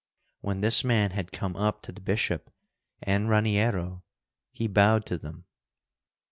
When this man had come up to the bishop and Raniero, he bowed to them.